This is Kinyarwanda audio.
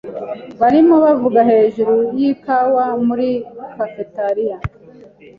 Barimo bavuga hejuru yikawa muri cafeteria.